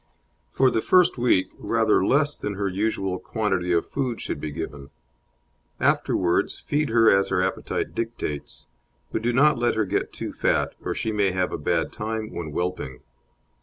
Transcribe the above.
For the first week rather less than her usual quantity of food should be given; afterwards feed as her appetite dictates, but do not let her get too fat, or she may have a bad time when whelping.